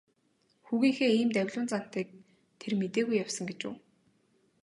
Хүүгийнхээ ийм давилуун зантайг тэр мэдээгүй явсан гэж үү.